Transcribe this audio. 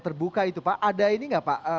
terbuka itu pak ada ini nggak pak